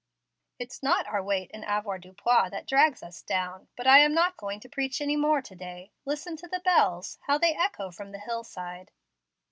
"It's not our weight in avoirdupois that drags us down. But I am not going to preach any more to day. Listen to the bells how they echo from the hill side!"